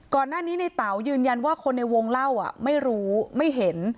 ก่อนหน้านี้ในเต๋ายืนยันว่าคนในวงเล่าไม่รู้ไม่เห็น